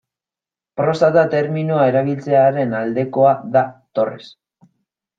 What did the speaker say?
Prostata terminoa erabiltzearen aldekoa da Torres.